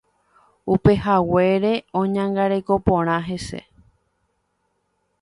Upehaguére oñangareko porã hese.